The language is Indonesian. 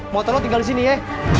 motor lu tinggal di sini ya